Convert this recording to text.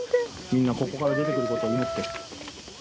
みんな、ここから出てくることを祈って。